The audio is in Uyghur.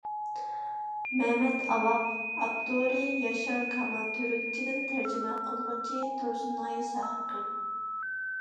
مەمەت ئاۋاق ئاپتورى: ياشار كامال تۈركچىدىن تەرجىمە قىلغۇچى: تۇرسۇنئاي ساقىم